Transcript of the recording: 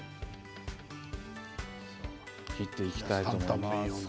切っていきたいと思います。